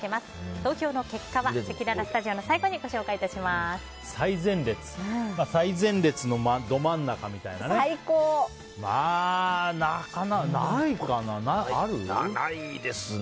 投票の結果はせきららスタジオの最後に最前列のど真ん中みたいなね。